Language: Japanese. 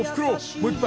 もう一杯］